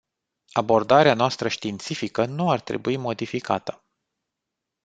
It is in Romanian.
Abordarea noastră științifică nu ar trebui modificată.